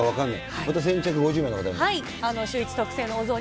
また先着５０名の方に。